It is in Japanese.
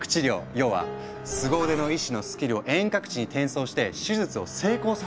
要は凄腕の医師のスキルを遠隔地に転送して手術を成功させちゃうってこと。